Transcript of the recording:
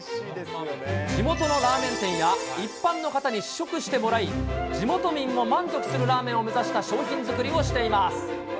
地元のラーメン店や一般の方に試食してもらい、地元民も満足するラーメンを目指した商品作りをしています。